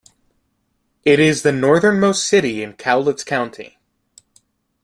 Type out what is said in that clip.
It is the northernmost city in Cowlitz County.